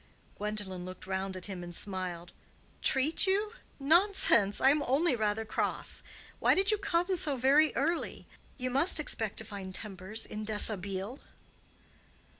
Gwendolen looked round at him and smiled. "Treat you? Nonsense! I am only rather cross. Why did you come so very early? You must expect to find tempers in dishabille."